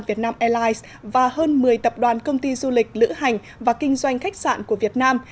việt nam airlines và hơn một mươi tập đoàn công ty du lịch lữ hành và kinh doanh khách sạn của việt nam